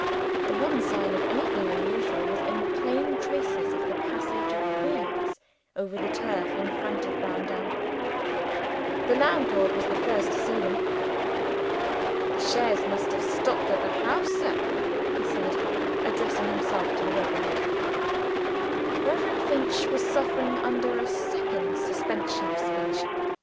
The one sign of anything unusual was in the plain traces of the passage of wheels over the turf in front of Browndown. The landlord was the first to see them. "The chaise must have stopped at the house, sir," he said, addressing himself to the rector. Reverend Finch was suffering under a second suspension of speech.